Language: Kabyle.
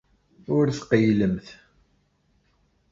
Ur tqeyylemt.